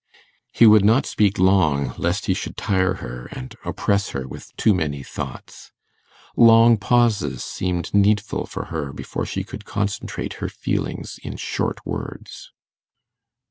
He would not speak long. Lest he should tire her, and oppress her with too many thoughts. Long pauses seemed needful for her before she could concentrate her feelings in short words.